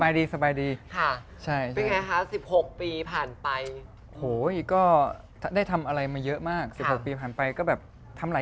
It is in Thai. แล้วได้หลอกเด็กบ้างยังคะ